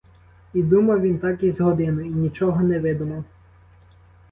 І думав він так із годину, і нічого не видумав.